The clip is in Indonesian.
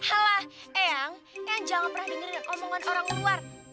alah eyang eyang jangan pernah dengerin omongan orang luar